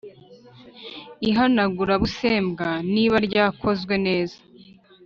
ihanagurabusembwa niba ryakozwe neza